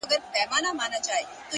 هره رڼا له کوچنۍ ځلا پیلېږي!